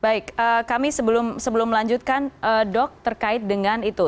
baik kami sebelum melanjutkan dok terkait dengan itu